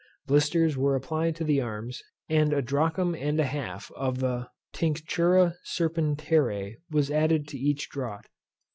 Blisters were applied to the arms; and a drachm and a half of the Tinctura Serpentariæ was added to each draught.